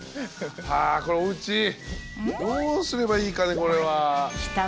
はあこれおうちどうすればいいかねこれは。きたわね